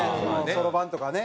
そろばんとかね。